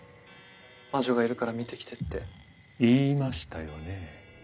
魔女がいるから見て来てって。言いましたよね？